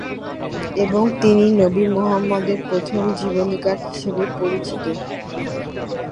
এবং তিনি নবী মুহাম্মাদের প্রথম জীবনীকার হিসেবে পরিচিত।